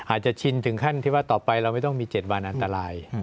อาจจะชินถึงขั้นที่ว่าต่อไปเราไม่ต้องมี๗วันอันตราย